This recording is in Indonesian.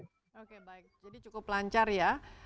oke baik jadi cukup lancar ya